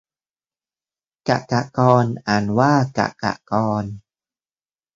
กกกร อ่านว่า กะกะกอน